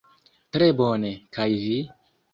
Tre bone; kaj vi?